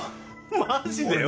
マジでよ？